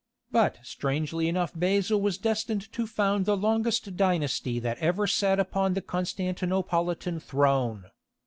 But strangely enough Basil was destined to found the longest dynasty that ever sat upon the Constantinopolitan throne.